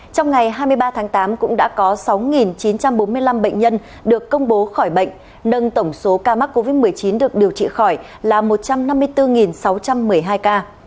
trong ngày hai mươi ba tháng tám cũng đã có sáu chín trăm bốn mươi năm bệnh nhân được công bố khỏi bệnh nâng tổng số ca mắc covid một mươi chín được điều trị khỏi là một trăm năm mươi bốn sáu trăm một mươi hai ca